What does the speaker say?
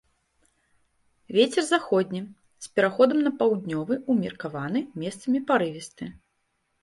Вецер заходні з пераходам на паўднёвы ўмеркаваны, месцамі парывісты.